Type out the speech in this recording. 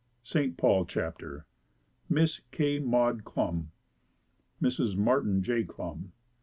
ST. PAUL CHAPTER MISS K. MAUDE CLUM Mrs. Martin Jay Clum.